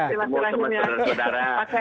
sama teman teman saudara